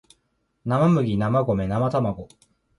生麦生米生たまご